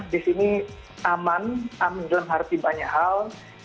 di sini aman amin dalam hati banyak hal